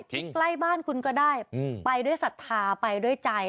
ใกล้บ้านคุณก็ได้ไปด้วยศรัทธาไปด้วยใจ